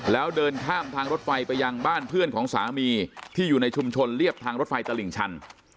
แล้วเดินข้ามทางรถไฟไปยังบ้านเพื่อนของสามีที่อยู่ในชุมชนเรียบทางรถไฟตลิ่งชัน